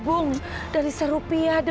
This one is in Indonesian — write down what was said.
udah sana pergi